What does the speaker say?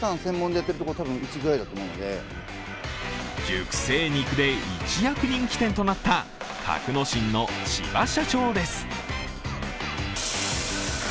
熟成肉で一躍人気店となった格之進の千葉社長です。